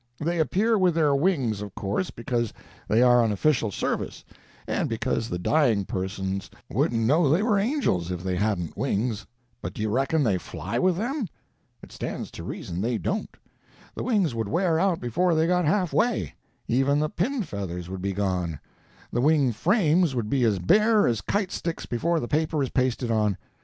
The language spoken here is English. They appear with their wings, of course, because they are on official service, and because the dying persons wouldn't know they were angels if they hadn't wings—but do you reckon they fly with them? It stands to reason they don't. The wings would wear out before they got half way; even the pin feathers would be gone; the wing frames would be as bare as kite sticks before the paper is pasted on.